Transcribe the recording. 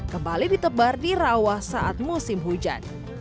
kembali ke perahikat warga dan dijalankan untuk menangkap ikan tersebut sehingga ikan di dalam